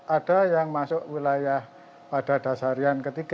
ada yang masuk wilayah pada dasarian ketiga